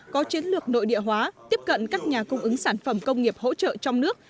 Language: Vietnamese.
có chiến lược nội địa hóa tiếp cận các nhà cung ứng sản phẩm công nghiệp hỗ trợ trong nước